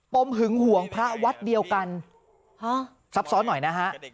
หึงห่วงพระวัดเดียวกันฮะซับซ้อนหน่อยนะฮะ